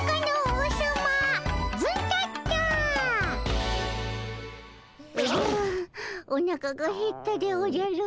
おじゃおなかがへったでおじゃる。